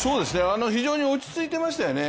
非常に落ち着いてましたよね。